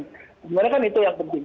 sebenarnya kan itu yang penting